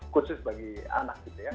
khusus bagi anak